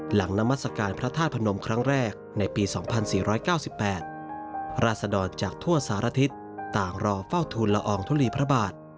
นามัศกาลพระธาตุพนมครั้งแรกในปี๒๔๙๘ราศดรจากทั่วสารทิศต่างรอเฝ้าทูลละอองทุลีพระบาท